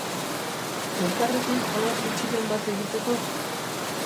Elkarrekin jolas bitxiren bat egiteko?